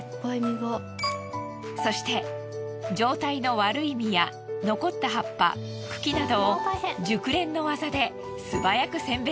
そして状態の悪い実や残った葉っぱ茎などを熟練の技で素早く選別。